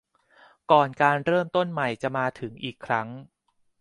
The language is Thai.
ก่อนการเริ่มต้นใหม่จะมาถึงอีกครั้ง